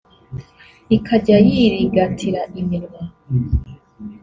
ikajya yirigatira iminwa